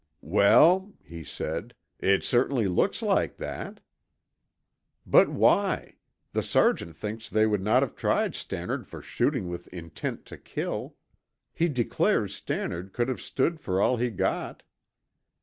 "Well," he said, "it certainly looks like that." "But why? The sergeant thinks they would not have tried Stannard for shooting with intent to kill; he declares Stannard could have stood for all he got."